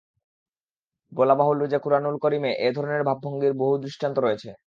বলা বাহুল্য যে, কুরআনে করীমে এ ধরনের ভাবভঙ্গির বহু দৃষ্টান্ত রয়েছে।